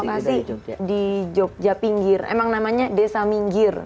lokasi di jogja pinggir emang namanya desa minggir